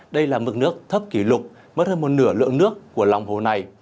đây là mực nước thấp kỷ lục mất hơn một nửa lượng nước của lòng hồ này